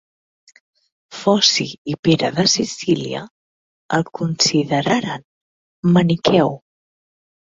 Foci i Pere de Sicília el consideren maniqueu.